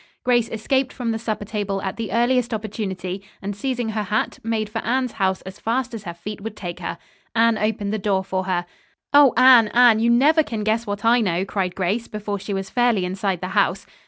Grace escaped from the supper table at the earliest opportunity, and seizing her hat, made for Anne's house as fast as her feet would take her. Anne opened the door for her. "Oh, Anne, Anne! You never can guess what I know!" cried Grace, before she was fairly inside the house.